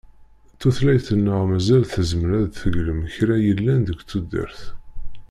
Tutlayt-nneɣ mazal tezmer ad d-teglem kra yellan deg tudert.